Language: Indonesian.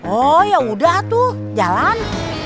oh yaudah tuh jalan